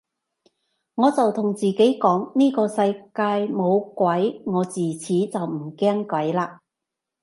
我就同自己講呢個世界冇鬼，我自此就唔驚鬼嘞